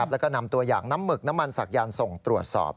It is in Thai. แล้วก็นำตัวอย่างน้ำหมึกน้ำมันศักยันต์ส่งตรวจสอบ